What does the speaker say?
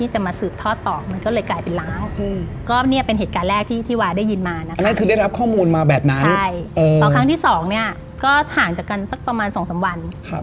จัดการสักประมาณสองสามวัน